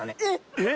えっ！